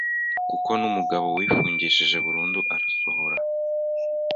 kuko n’umugabo wifungishije burundu arasohora